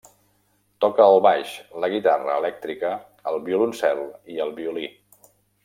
Toca el baix, la guitarra elèctrica, el violoncel i el violí.